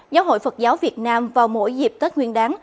giáo hội phật giáo việt nam vào mỗi dịp tết nguyên đáng